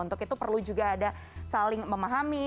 untuk itu perlu juga ada saling memahami